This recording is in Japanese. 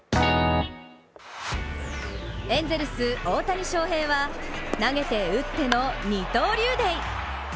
エンゼルス・大谷翔平は投げて打っての二刀流デー。